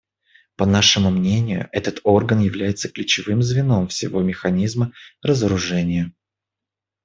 По нашему мнению, этот орган является ключевым звеном всего механизма разоружения.